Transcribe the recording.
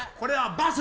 バス。